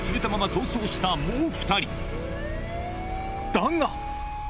だが！